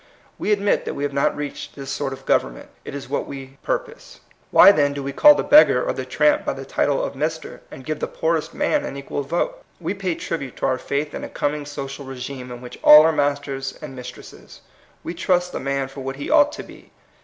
We admit that we have not reached this sort of government. It is what we purpose. Why, then, do we call the beggar or the tramp by the title of Mr., and give the poorest man an equal vote? We pay trib ute to our faith in a coming social regime in which all are masters and mistresses. We trust the man for what he ought to be.